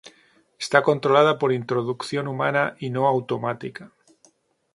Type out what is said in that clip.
Está controlada por introducción humana y no automática.